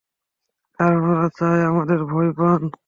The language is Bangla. কারণ, ওরা চায় আপনারা ভয় পান!